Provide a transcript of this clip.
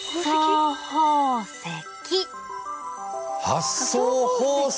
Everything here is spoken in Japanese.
発想宝石？